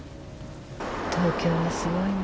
東京はすごいね。